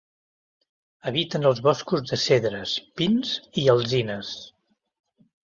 Habiten els boscos de cedres, pins i alzines.